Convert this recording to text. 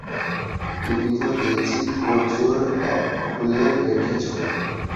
তুমি তো দেখছি প্রচুর অ্যাপ খুলে রেখেছো।